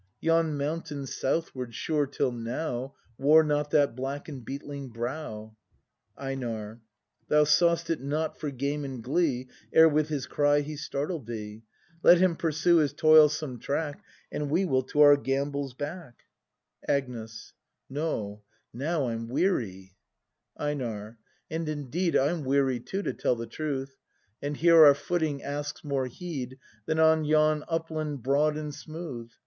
Yon mountain southward, sure, till now. Wore not that black and beetling brow. Einar. Thou saw'st it not for game and glee Ere with his cry he startled thee. Let him pursue his toilsome track. And we will to our gambols back! 46 BRAND [ACT I Agnes. No, now I'm weary. EiNAB. And indeed I'm weary too, to tell the truth, — And here our footing asks more heed Than on yon upland broad and smooth.